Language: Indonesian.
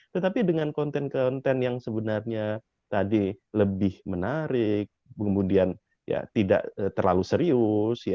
tetapi dengan konten konten yang sebenarnya tadi lebih menarik kemudian ya tidak terlalu serius